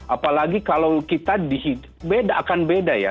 apalagi kalau kita dihidupkan akan beda ya